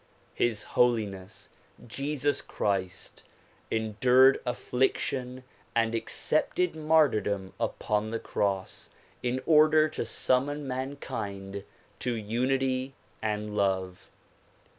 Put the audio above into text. His Holiness Jesus Christ en dured affliction and accepted martyrdom upon the cross in order to summon mankind to unity and love.